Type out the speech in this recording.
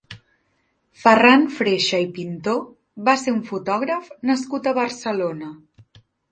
Ferran Freixa i Pintó va ser un fotògraf nascut a Barcelona.